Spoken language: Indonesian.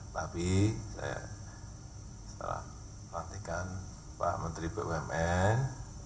tapi saya setelah melatihkan pak menteri bumn